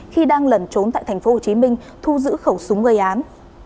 khi đang lẩn trốn tại tp hcm thu giữ khẩu súng gây án